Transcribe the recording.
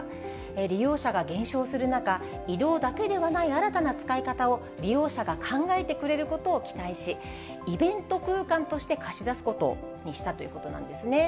利用者が減少する中、移動だけではない新たな使い方を利用者が考えてくれることを期待し、イベント空間として貸し出すことにしたということなんですね。